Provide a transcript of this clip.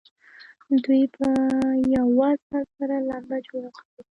دوی به په یوه ځل سره لمبه جوړه کړي.